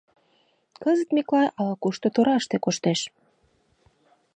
Кызыт Миклай ала-кушто тораште коштеш.